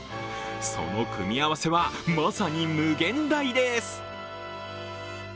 その組み合わせは、まさに無限大です。